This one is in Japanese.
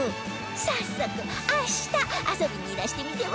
早速明日遊びにいらしてみては？